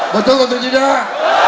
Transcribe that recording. betul atau tidak